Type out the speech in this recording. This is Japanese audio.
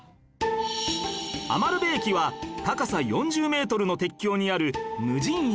餘部駅は高さ４０メートルの鉄橋にある無人駅